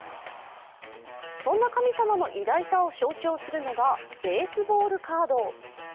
そんな神様の偉大さを象徴するのがベースボールカード。